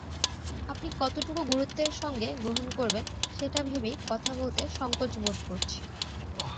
আপনি কতটুক গুরুত্বের সঙ্গে গ্রহণ করবেন, সেটা ভেবেই কথা বলতে সংকোচ বোধ করছি।